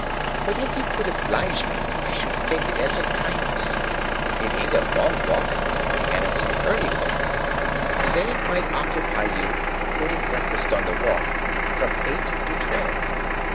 But if you could oblige me, I should take it as a kindness. It ain't a long walk, and it's an early one. Say it might occupy you (including breakfast on the walk) from eight to twelve.